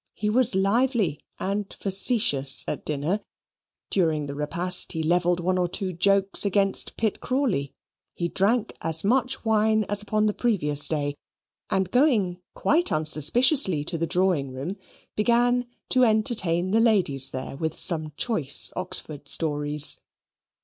He was lively and facetious at dinner. During the repast he levelled one or two jokes against Pitt Crawley: he drank as much wine as upon the previous day; and going quite unsuspiciously to the drawing room, began to entertain the ladies there with some choice Oxford stories.